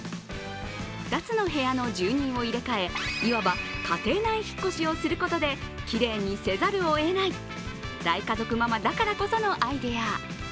２つの部屋の住人を入れ替えいわば家庭内引っ越しをすることできれいにせざるをえない大家族ママだからこそのアイデア。